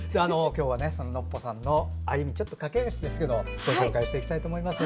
今日はそのノッポさんの歩みを駆け足ですけどもご紹介していきたいと思います。